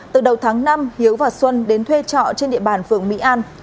từ đầu tháng năm hiếu và xuân đến thuê trọ trên địa bàn phường mỹ an